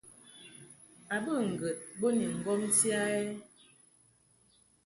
A bə ŋgəd bo ni ŋgomti a ɛ ?